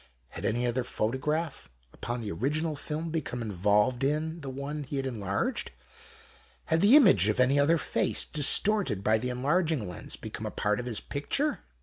Had any other photo graph upon the original film become involved in the one he had enlarged ? Had the image of any other face, distorted by the enlarging lens, become a part of this picture